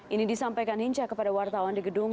ini disampaikan hinca kepada wartawan di gedung